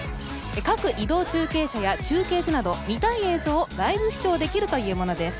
各移動中継車や中継所など見たい映像をライブ視聴できるというものです。